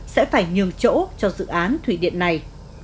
sẽ phải nhường chỗ cho dự án thủy điện này